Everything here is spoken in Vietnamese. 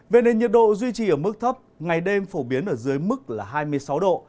về nền nhiệt độ duy trì ở mức thấp ngày đêm phổ biến ở dưới mức là hai mươi sáu độ